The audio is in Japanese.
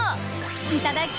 いただき！